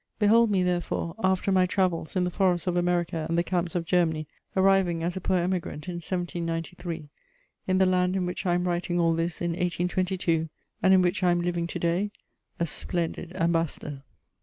Behold me, therefore, after my travels in the forests of America and the camps of Germany, arriving, as a poor Emigrant, in 1793, in the land in which I am writing all this in 1822, and in which I am living to day a splendid ambassador.